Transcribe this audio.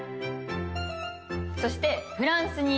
そしてフランス？